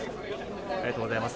ありがとうございます。